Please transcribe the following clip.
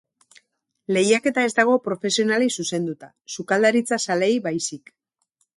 Lehiaketa ez dago profesionalei zuzenduta, sukaldaritza-zaleei baizik.